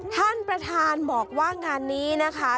ท่านประธานบอกว่างานนี้นะคะ